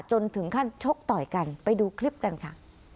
จนถึงขั้นชกต่อยกันไปดูคลิปกันค่ะ